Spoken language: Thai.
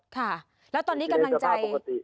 ค่ะแล้วตอนนี้กำลังใจ